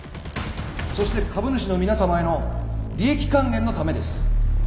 そして株主の皆さまへの利益還元のためです。